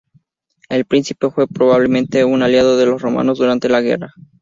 El príncipe fue probablemente un aliado de los romanos durante la guerra.